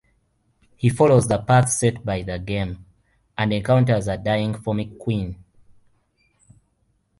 He follows the path set by the game, and encounters a dying Formic queen.